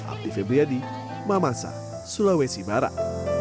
abdi febriyadi mamasa sulawesi barat